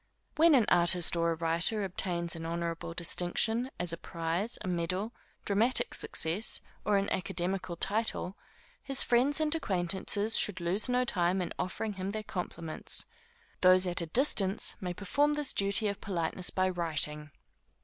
When an artist or a writer obtains any honorable distinction, as a prize, a medal, dramatic success, or an academical title, his friends and acquaintances should lose no time in offering him their compliments. Those at a distance, may perform this duty of politeness by writing.